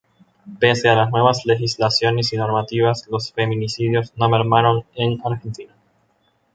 Pese a las nuevas legislaciones y normativas, los feminicidios no mermaron en Argentina.